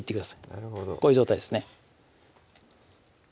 なるほどこういう状態ですね